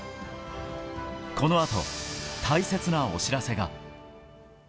このあと、大切なお知らせが。